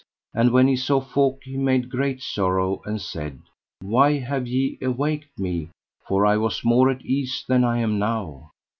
And when he saw folk he made great sorrow, and said: Why have ye awaked me, for I was more at ease than I am now.